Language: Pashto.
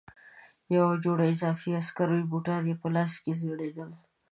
یوه جوړه اضافي عسکري بوټان یې په لاس کې ځړېدل.